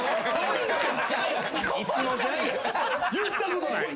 言ったことない。